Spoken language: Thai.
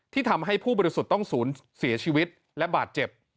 ทำให้ผู้บริสุทธิ์ต้องศูนย์เสียชีวิตและบาดเจ็บ